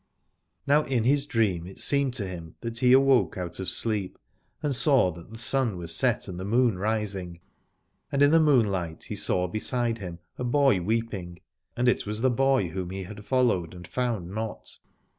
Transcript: Now in his dream it seemed to him that he awoke out of sleep and saw that the sun was set and the moon rising. And in the moonlight he saw beside him a boy weeping, and it was the boy whom he had followed and found not.